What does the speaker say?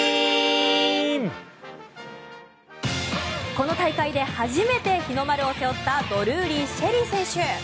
この大会で初めて日の丸を背負ったドルーリー朱瑛里選手。